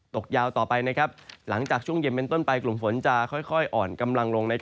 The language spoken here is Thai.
ตกยาวต่อไปหลังจากช่วงเย็นเป็นต้นไปกลุ่มฝนจะค่อยอ่อนกำลังลง